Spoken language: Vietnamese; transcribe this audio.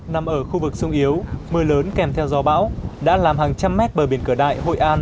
nằm ở khu vực sung yếu mưa lớn kèm theo gió bão đã làm hàng trăm mét bờ biển cửa đại hội an